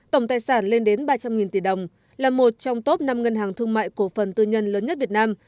tổng tài sản lên đến ba trăm linh tỷ đồng là một trong top năm ngân hàng thương mại cổ phần tư nhân lớn nhất việt nam